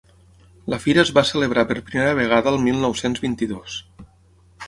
La fira es va celebrar per primera vegada el mil nou-cents vint-i-dos.